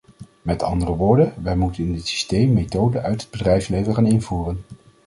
Met andere woorden, wij moeten in dit systeem methoden uit het bedrijfsleven gaan invoeren.